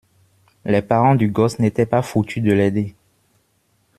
les parents du gosse n’étaient pas foutus de l’aider.